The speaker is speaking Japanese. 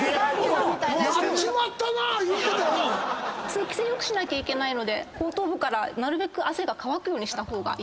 通気性良くしなきゃいけないので後頭部からなるべく汗が乾くようにした方がいいですね。